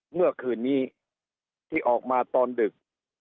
เมื่อคืนนี้ที่ออกมาตอนดึก